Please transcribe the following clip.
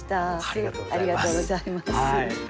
ありがとうございます。